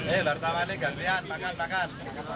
eh bertawannya gantian makan makan